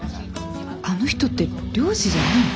あの人って漁師じゃないの？